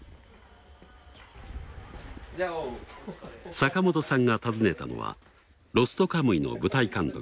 坂本さんが訪ねたのは『ロストカムイ』の舞台監督